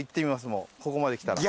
もうここまできたら。